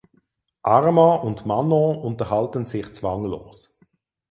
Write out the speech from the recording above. Armand und Manon unterhalten sich zwanglos.